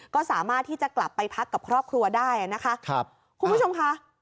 ก็สามารถที่จะกลับไปพักกับครอบครัวได้นะคะครับคุณผู้ชมค่ะ